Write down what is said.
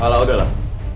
ah udah lah